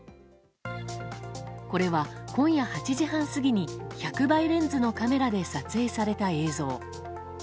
これは今夜８時半過ぎに１００倍レンズのカメラで撮影された映像。